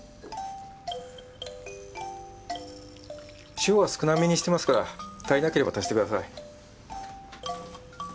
塩は少なめにしてますから足りなければ足してください。